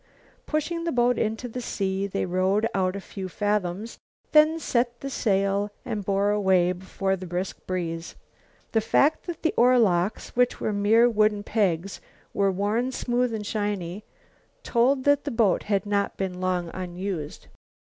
Pushing the boat into the sea they rowed out a few fathoms, then set the sail and bore away before the brisk breeze. The fact that the oar locks, which were mere wooden pegs, were worn smooth and shiny, told that the boat had not been long unused.